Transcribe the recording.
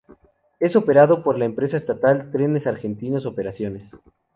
Es operado por la empresa estatal Trenes Argentinos Operaciones.